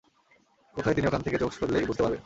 কোথায় তিনি ওখান থেকে চোখ সরলেই বুঝতে পারবে!